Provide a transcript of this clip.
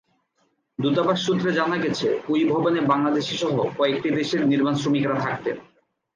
দূতাবাস সূত্রে জানা গেছে, ওই ভবনে বাংলাদেশিসহ কয়েকটি দেশের নির্মাণশ্রমিকেরা থাকতেন।